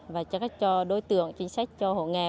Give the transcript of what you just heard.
và cho đối tượng chính sách